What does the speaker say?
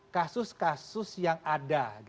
kasus kasus yang ada